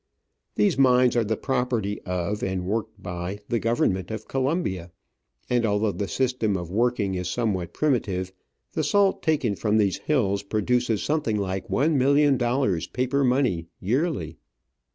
These mines are the property of, and worked by, the Government of Colombia ; and although the system of working is somewhat primitive, the salt taken from these hills produces something like one million dollars paper money yearly.